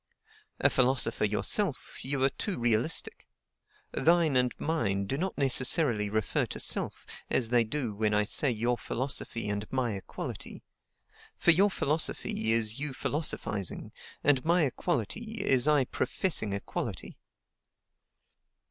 A philosopher yourself, you are too realistic. THINE and MINE do not necessarily refer to self, as they do when I say your philosophy, and my equality; for your philosophy is you philosophizing, and my equality is I professing equality.